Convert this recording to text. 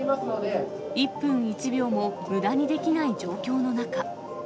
一分一秒もむだにできない状況の中。